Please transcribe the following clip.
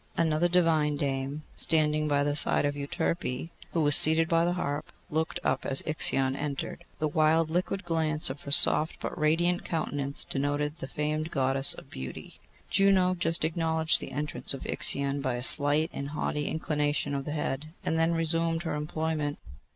Another divine dame, standing by the side of Euterpe, who was seated by the harp, looked up as Ixion entered. The wild liquid glance of her soft but radiant countenance denoted the famed Goddess of Beauty. Juno just acknowledged the entrance of Ixion by a slight and haughty inclination of the head, and then resumed her employment.